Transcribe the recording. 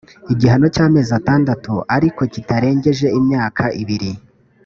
igihano cy amezi atandatu ariko kitarengeje imyakaibiri